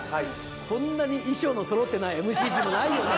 こんなに衣装のそろってないＭＣ陣もないよね